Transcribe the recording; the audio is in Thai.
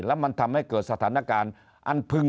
แล้วมันทำให้เกิดสถานการณ์อันพึง